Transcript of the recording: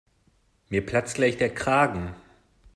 Mir platzt gleich der Kragen.